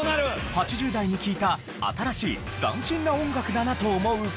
８０代に聞いた新しい斬新な音楽だなと思う歌手。